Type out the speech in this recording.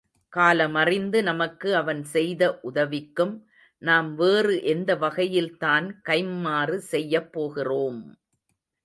காலமறிந்து நமக்கு அவன் செய்த உதவிக்கும் நாம் வேறு எந்தவகையில்தான் கைம்மாறு செய்யப் போகிறோம்!